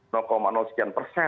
sekian persen